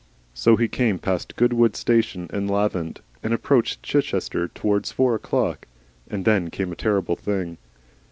So he came past Goodwood station and Lavant, and approached Chichester towards four o'clock. And then came a terrible thing.